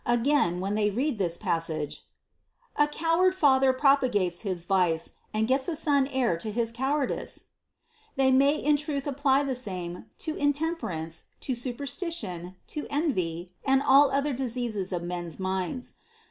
Again, when they read this passage, A coward father propagates his vice, And gets a son heir to his cowardice, they may in truth apply the same to intemperance, to superstition, to envy, and all other diseases of men's minds.